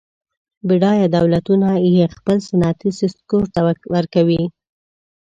بډایه دولتونه یې خپل صنعتي سکتور ته ورکوي.